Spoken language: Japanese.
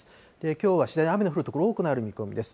きょうは次第に雨の降る所、多くなる見込みです。